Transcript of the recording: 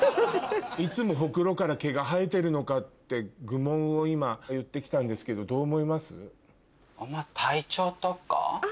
いつもホクロから毛が生えてるのかって愚問を今言って来たんですけどどう思います？